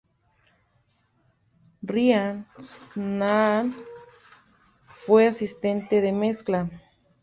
Ryan Shanahan fue asistente de mezcla.